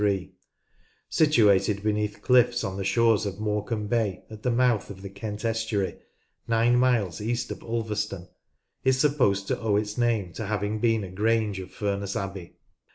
(1993), situated beneath cliffs on the shores of Morecambe Baj at the mouth of the Kent estuary, nine miles east of Ulverston, is supposed to owe its name to having been a grange of Furness Abbey.